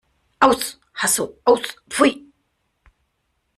Aus! Hasso, aus! Pfui!